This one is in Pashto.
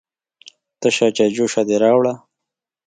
_تشه چايجوشه دې راوړه؟